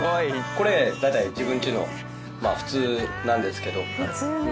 これ大体自分ちの普通なんですけど。